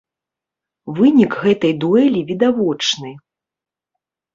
Вынік гэтай дуэлі відавочны.